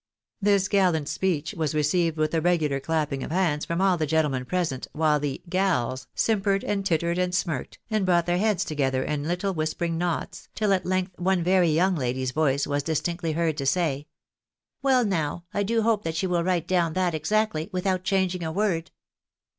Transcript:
This gallant speech was received with a regular clapping of hands from all the gentlemen present, while the " gals " simpered and tittered, and smirked, and brought their heads together in little whispering knots, till at length one very young lady's voice was distinctly heard to say —" Well, now, I do hope that she will write down that exactly, without changing a word."